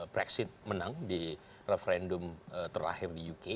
brexit menang di referendum terakhir di uk